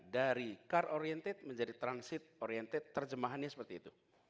dari car oriented menjadi transit oriented terjemahannya seperti itu